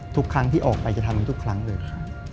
ทุกครั้งที่ออกไปจะทำทุกครั้งเลยค่ะ